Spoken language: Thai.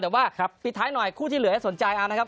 แต่ว่าปิดท้ายหน่อยคู่ที่เหลือให้สนใจเอานะครับ